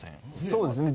そうですね。